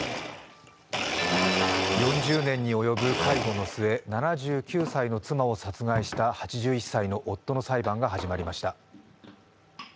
４０年に及ぶ介護の末、７９歳の妻を殺害した殺害した８１歳の夫の裁判が始まりました。